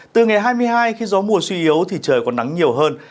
từ ngày hai mươi hai khi gió mùa suy yếu thì trời có nắng nhiều hơn